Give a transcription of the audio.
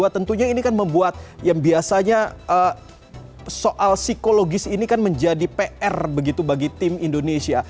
tentunya ini kan membuat yang biasanya soal psikologis ini kan menjadi pr begitu bagi tim indonesia